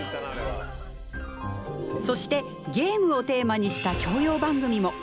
そしてゲームをテーマにした教養番組も。